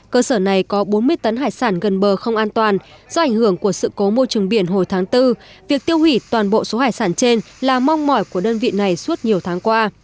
cơ sở này có bốn mươi tấn hải sản gần bờ không an toàn do ảnh hưởng của sự cố môi trường biển hồi tháng bốn việc tiêu hủy toàn bộ số hải sản trên là mong mỏi của đơn vị này suốt nhiều tháng qua